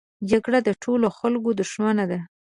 جګړه د ټولو خلکو دښمنه ده